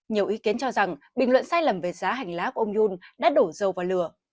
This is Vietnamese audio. nhiều ý kiến cho rằng bình luận sai lầm về giá hành lá của ông yun đã đổ dầu vào lửa